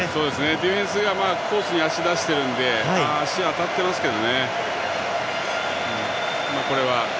ディフェンスがコースに足を出しているので足、当たってますけどね。